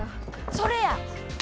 それや！